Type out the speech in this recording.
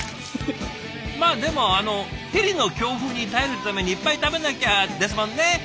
まあでもあのヘリの強風に耐えるためにいっぱい食べなきゃですもんね。